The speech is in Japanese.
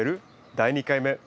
第２回目。